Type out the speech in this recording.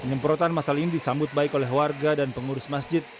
penyemprotan masal ini disambut baik oleh warga dan pengurus masjid